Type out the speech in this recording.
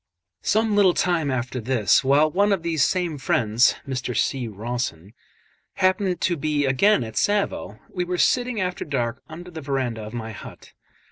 Some little time after this, while one of these same friends (Mr. C. Rawson) happened to be again at Tsavo, we were sitting after dark under the verandah of my hut.